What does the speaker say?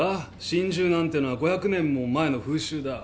心中なんてのは５００年も前の風習だ。